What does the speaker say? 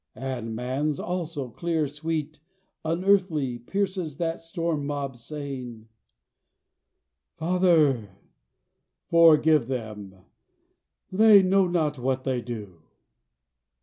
And man's, also, clear, sweet, unearthly, pierces that stormy mob, saying, "Father, forgive them; they know not what they do."